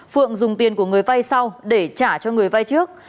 phượng dùng tiền của người vay sau để trả cho người vay trước